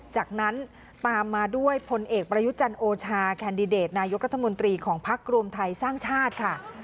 จากนั้นตามมาด้วยพลเอกประยุจันทร์โอชาแคนดิเดตนายกรัฐมนตรีของพักรวมไทยสร้างชาติค่ะ